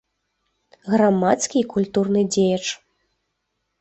Грамадскі і культурны дзеяч.